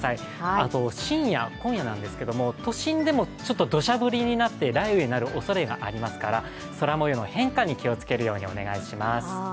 あと深夜、今夜なんですけれども都心でも土砂降りになって雷雨になるおそれがありますから空もようの変化に気をつけるようにお願いします。